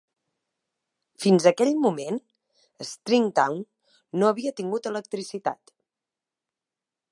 Fins aquell moment, Stringtown no havia tingut electricitat.